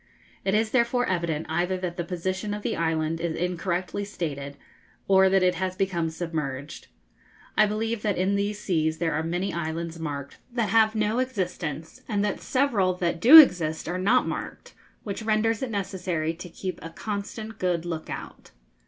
It is therefore evident either that the position of the island is incorrectly stated, or that it has become submerged. I believe that in these seas there are many islands marked that have no existence, and that several that do exist are not marked, which renders it necessary to keep a constant good look out.